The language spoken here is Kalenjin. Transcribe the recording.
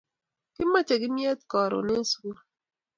Kimache kimyet karun en sukul